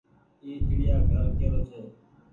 اي ڇڙيآ گهر ڪي رو ڇي۔